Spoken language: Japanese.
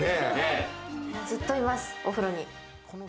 ずっといます、お風呂に。